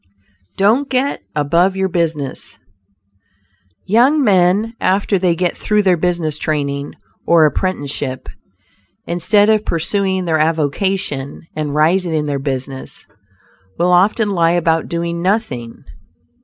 DON'T GET ABOVE YOUR BUSINESS Young men after they get through their business training, or apprenticeship, instead of pursuing their avocation and rising in their business, will often lie about doing nothing.